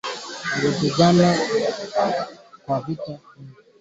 Kwa kutunza virutubisho chemsha viazi na maganda